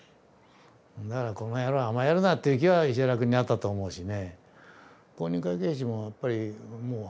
だからこの野郎甘えるな！っていう気は石原君にあったと思うしね。